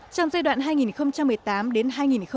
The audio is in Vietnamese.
trong giai đoạn hai nghìn một mươi tám đến hai nghìn hai mươi